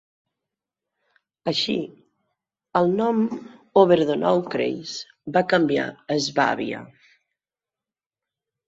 Així, el nom Oberdonaukreis va canviar a Swabia.